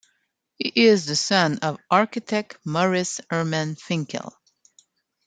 He is the son of architect Maurice Herman Finkel.